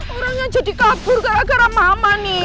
orangnya jadi kabur gara gara mama nih